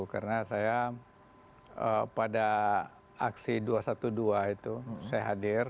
karena saya pada aksi dua ratus dua belas itu saya hadir